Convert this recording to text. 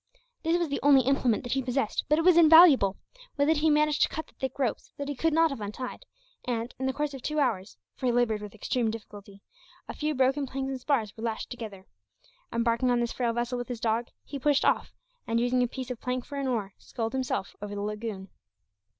This was the only implement that he possessed, but it was invaluable. With it he managed to cut the thick ropes that he could not have untied, and, in the course of two hours for he laboured with extreme difficulty a few broken planks and spars were lashed together. Embarking on this frail vessel with his dog, he pushed off, and using a piece of plank for an oar, sculled himself over the lagoon.